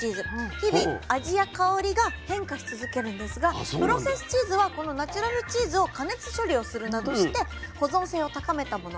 日々味や香りが変化し続けるんですがプロセスチーズはこのナチュラルチーズを加熱処理をするなどして保存性を高めたもの。